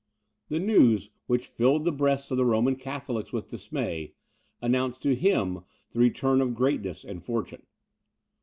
The news, which filled the breasts of the Roman Catholics with dismay, announced to him the return of greatness and good fortune.